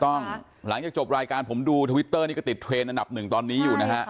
หลังจากจบรายการผมดูทวิตเตอร์นี่ก็ติดเทรนดอันดับหนึ่งตอนนี้อยู่นะฮะ